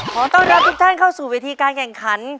ขอต้อนรับทุกท่านเข้าสู่เวทีการแข่งขัน